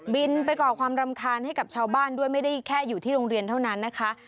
ไปก่อความรำคาญให้กับชาวบ้านด้วยไม่ได้แค่อยู่ที่โรงเรียนเท่านั้นนะคะ